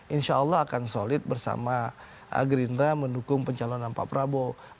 insya allah akan solid bersama gerindra mendukung pencalonan pak prabowo